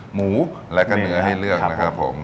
หมูแล้วก็เนื้อให้เลือกนะครับผม